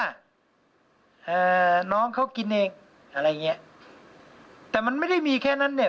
อ่าน้องเขากินเองอะไรอย่างเงี้ยแต่มันไม่ได้มีแค่นั้นเนี่ย